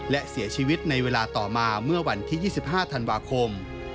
และเสียชีวิตในเวลาต่อมาเมื่อวันที่๒๕ธันวาคม